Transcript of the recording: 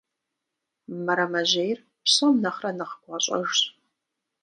Мэрэмэжьейр псом нэхърэ нэхъ гуащӀэжщ.